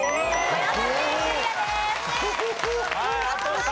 はい。